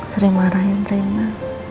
sering marahin rena